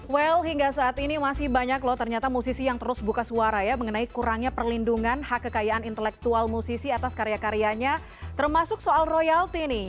well hingga saat ini masih banyak loh ternyata musisi yang terus buka suara ya mengenai kurangnya perlindungan hak kekayaan intelektual musisi atas karya karyanya termasuk soal royalti nih